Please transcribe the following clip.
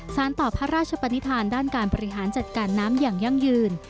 สารต่อพระราชปนิษฐานด้านการบริหารจัดการน้ำอย่างยั่งยืน